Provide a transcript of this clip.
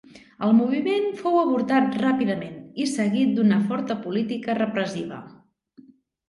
El moviment fou avortat ràpidament i seguit d'una forta política repressiva.